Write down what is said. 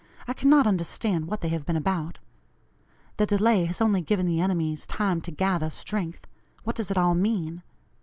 I cannot understand what they have been about. Their delay has only given the enemies time to gather strength; what does it all mean?